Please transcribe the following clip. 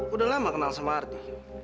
udah lama kenal sama arti